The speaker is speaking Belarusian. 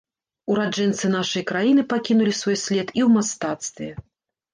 Ураджэнцы нашай краіны пакінулі свой след і ў мастацтве.